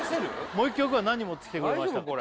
もう一曲は何持ってきてくれましたか？